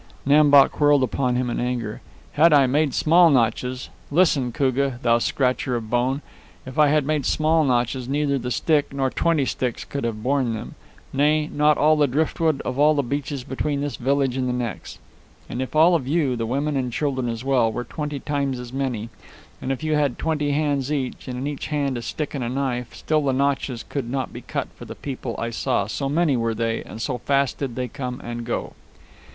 Nam Bok whirled upon him in anger. "Had I made small notches! Listen, Koogah, thou scratcher of bone! If I had made small notches neither the stick, nor twenty sticks, could have borne them nay, not all the driftwood of all the beaches between this village and the next. And if all of you, the women and children as well, were twenty times as many, and if you had twenty hands each, and in each hand a stick and a knife, still the notches could not be cut for the people I saw, so many were they and so fast did they come and go."